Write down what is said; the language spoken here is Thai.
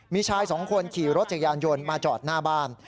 มีชายสองคนขี่รถจักรยานยนต์มาจอดหน้าบ้าน